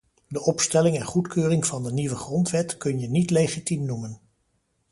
De opstelling en goedkeuring van de nieuwe grondwet kun je niet legitiem noemen.